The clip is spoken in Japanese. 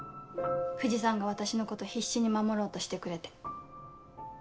藤さんが私のこと必死に守ろうとしてくれて。